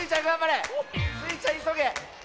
スイちゃんいそげ！